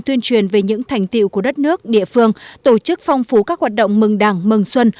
tuyên truyền về những thành tiệu của đất nước địa phương tổ chức phong phú các hoạt động mừng đảng mừng xuân